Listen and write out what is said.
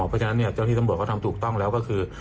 เพราะฉะนั้นเจ้าที่ตำรวจเขาทำถูกต้องแล้วก็คือ